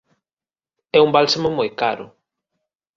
É un bálsamo moi caro.